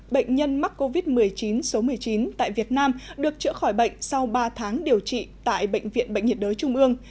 bệnh nhân mắc covid một mươi chín số một mươi chín tại việt nam được chữa khỏi bệnh sau ba tháng điều trị tại bệnh viện bệnh nhiệt đới trung ương